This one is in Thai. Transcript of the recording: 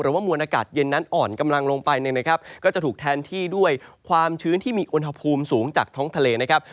ว่ามวลอากาศเย็นนั้นอ่อนกำลังลงไปเนี่ยนะครับก็จะถูกแทนที่ด้วยความชื้นที่มีอุณหภูมิสูงจากท้องทะเลนะครับ